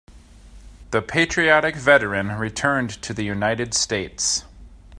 The patriotic veteran returned to the United States.